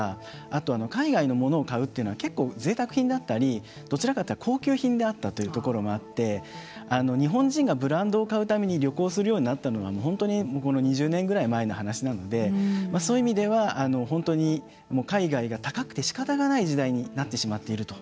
あとは海外の物を買うというのは結構ぜいたく品だったりどちらかというと高級品であったというところもあって日本人がブランドを買うために旅行をするようになったのは本当にこの２０年ぐらい前の話なんでそういう意味では本当に海外が高くてしかたがない時代になってしまっていると。